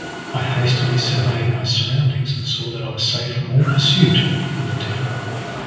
I hastily surveyed my surroundings, and saw that I was safe from all pursuit from the town.